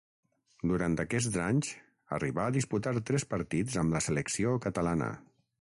Durant aquests anys arribà a disputar tres partits amb la selecció catalana.